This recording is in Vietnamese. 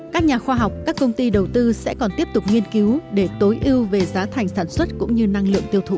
các nhà khoa học các công ty đầu tư sẽ còn tiếp tục nghiên cứu để tối ưu về giá thành sản xuất cũng như năng lượng tiêu thụ